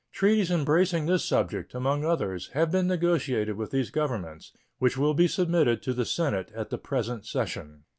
Treaties embracing this subject, among others, have been negotiated with these Governments, which will be submitted to the Senate at the present session.